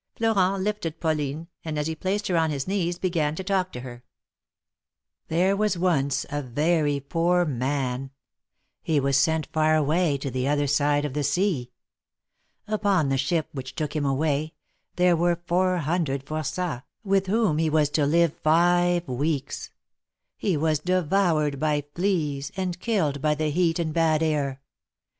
Florent lifted Pauline, and as he placed her on his knees began to talk to her : There was once a very poor man — he was sent far away to the other side of the sea. Upon the ship which took him away, there were four hundred for9ats, with whom he was to live five weeks. He was devoured by fleas, and killed by the heat and bad air.